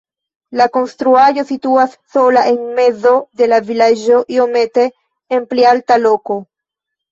La konstruaĵo situas sola en mezo de la vilaĝo iomete en pli alta loko.